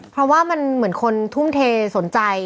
เพราะว่ามันเหมือนคนทุ่มเทสนใจ